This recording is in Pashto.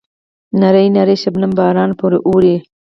نری نری شبنمي باران پرې اوروي.